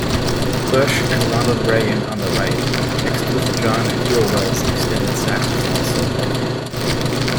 Bush and Ronald Reagan on the right, mixed with John Helliwell's extended saxophone solo.